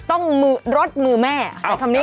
ต้องรดมือแม่ใช้คำนี้